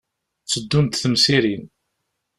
Tteddunt temsirin.